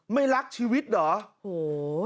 ไม่รักชีวิตเหรอ